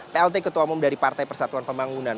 plt ketua umum dari partai persatuan pembangunan